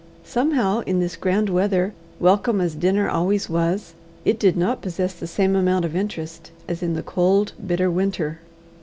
Somehow in this grand weather, welcome as dinner always was, it did not possess the same amount of interest as in the cold bitter winter.